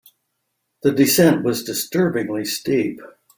The descent was disturbingly steep.